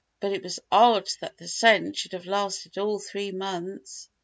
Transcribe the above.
But it was odd that the scent should have lasted all these months!